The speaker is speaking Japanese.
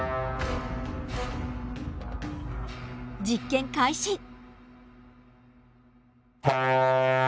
実験開始。